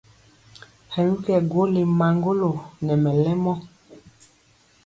Hɛ mi kɛ gwo le maŋgolo nɛ mɛlɛmɔ.